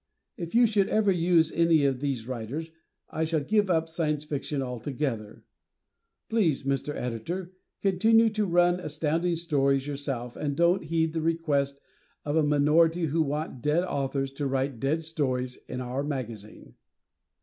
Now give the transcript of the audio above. If you should ever use any of these writers, I shall give up Science Fiction altogether. Please, Mr. Editor, continue to run Astounding Stories yourself, and don't heed the request of a minority who want dead authors to write dead stories in our magazine.